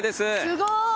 すごい！